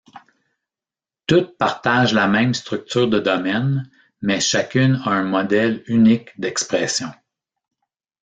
Toutes partagent la même structure de domaine, mais chacune a un modèle unique d'expression.